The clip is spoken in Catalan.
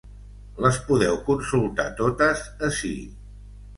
Les podeu consultar totes ací.